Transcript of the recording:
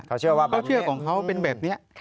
เขาเชื่อว่าเขาเชื่อของเขาเป็นแบบนี้